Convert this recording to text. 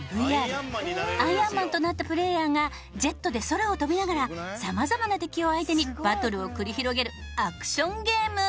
アイアンマンとなったプレーヤーがジェットで空を飛びながら様々な敵を相手にバトルを繰り広げるアクションゲーム。